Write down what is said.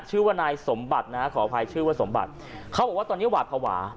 ชื่อว่านายสมบัตินะฮะขออภัยชื่อว่าสมบัติเขาบอกว่าตอนนี้หวาดภาวะ